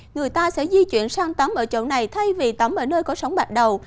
người ta sẽ di chuyển sang tắm ở chỗ này thay vì tắm ở nơi có sóng bạc đầu